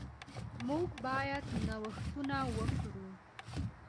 موږ باید نوښتونه وکړو.